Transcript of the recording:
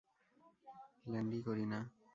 ল্যান্ডই করি না।